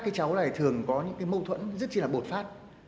các cháu này thường có những mâu thuẫn rất là bột phát